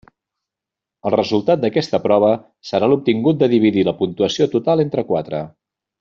El resultat d'aquesta prova serà l'obtingut de dividir la puntuació total entre quatre.